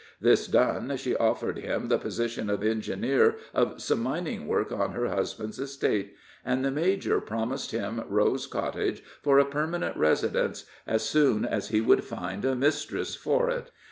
This done, she offered him the position of engineer of some mining work on her husband's estate, and the major promised him Rose Cottage for a permanent residence as soon as he would find a mistress for it.